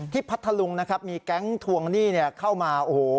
ที่พัทลุงนะครับมีแก๊งทวงหนี้เข้ามา